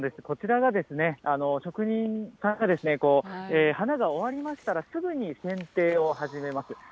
こちらが職人さんが、花が終わりましたら、すぐにせんていを始めます。